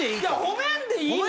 褒めんでいいねん。